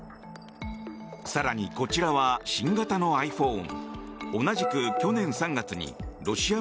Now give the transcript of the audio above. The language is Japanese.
更にこちらは新型のｉＰｈｏｎｅ。